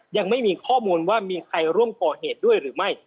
ยังไม่มีข้อมูลว่ามีใครร่วมก่อเหตุด้วยหรือไม่